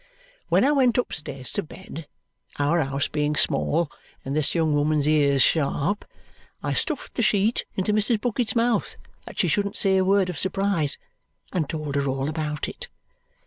When I went upstairs to bed, our house being small and this young woman's ears sharp, I stuffed the sheet into Mrs. Bucket's mouth that she shouldn't say a word of surprise and told her all about it.